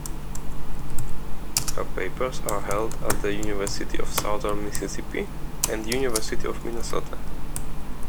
Her papers are held at the University of Southern Mississippi, and University of Minnesota.